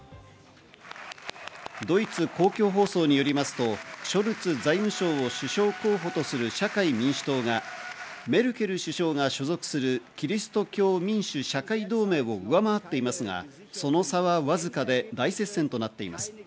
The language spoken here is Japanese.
ドイツ公共放送によりますと、ショルツ財務省を首相候補とする社会民主党がメルケル首相が所属するキリスト教民主・社会同盟を上回っていますが、その差はわずかで、大接戦となっています。